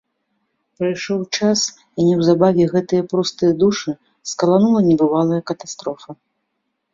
Прыйшоў час, і неўзабаве гэтыя простыя душы скаланула небывалая катастрофа.